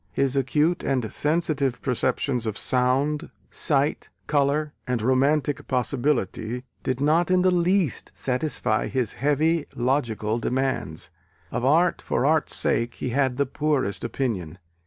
His acute and sensitive perceptions of sound, sight, colour and romantic possibility did not in the least satisfy his heavy logical demands. Of art for art's sake he had the poorest opinion.